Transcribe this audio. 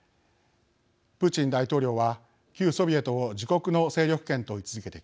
プーチン大統領は旧ソビエトを自国の勢力圏と位置づけてきました。